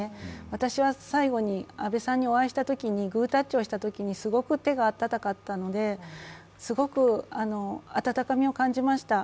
私は最後に安倍さんにお会いしたときに、グータッチしたときにすごく手が温かかったのですごく温かみを感じました。